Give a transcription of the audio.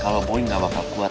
kalau boeing gak bakal kuat